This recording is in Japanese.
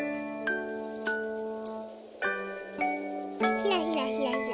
ひらひらひらひら。